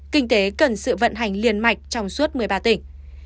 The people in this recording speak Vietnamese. kinh tế cần sự vận hành liên mạch trong suốt một mươi ba tỉnh